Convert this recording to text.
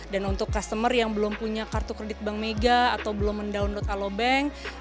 dan untuk customer yang belum punya kartu kredit bank mega atau belum mendownload alo bank